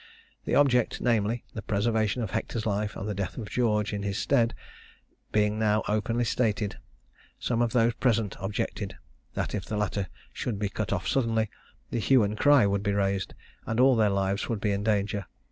The object namely, the preservation of Hector's life and the death of George in his stead being now openly stated, some of those present objected, that if the latter should be cut off suddenly, the hue and cry would be raised, and all their lives would be in danger.